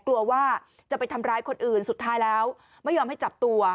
กลัวว่าจะไปทำร้ายคนอื่นสุดท้ายแล้วไม่ยอมให้จับตัว